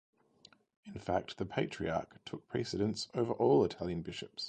In fact, the patriarch took precedence over all Italian bishops.